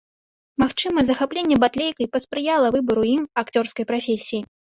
Магчыма, захапленне батлейкай паспрыяла выбару ім акцёрскай прафесіі.